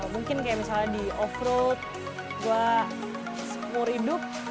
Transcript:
mungkin kayak misalnya di offroad gue seumur hidup